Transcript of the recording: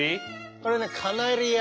これねカナリア。